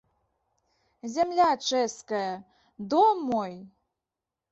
Зямля чэшская, дом мой?